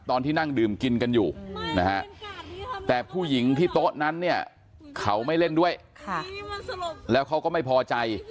ตอนที่นั่งดื่มกินกันอยู่นะฮะแต่ผู้หญิงที่โต๊ะนั้นเนี่ยเขาไม่เล่นด้วยแล้วเขาก็ไม่พอใจ